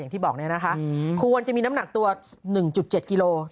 ที่บอกเนี่ยนะคะควรจะมีน้ำหนักตัว๑๗กิโล